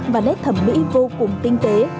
và nét thẩm mỹ vô cùng tinh tế